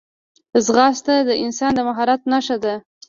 ځغاسته د انسان د مهارت نښه ده